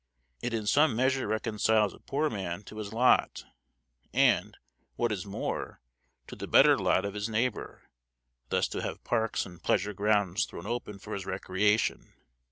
It in some measure reconciles a poor man to his lot, and, what is more, to the better lot of his neighbor, thus to have parks and pleasure grounds thrown open for his recreation.